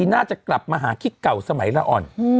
น่าจะกลับมาหาคิดเก่าสมัยละอ่อน